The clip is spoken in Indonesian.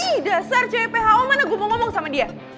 ih dasar cpho mana gue mau ngomong sama dia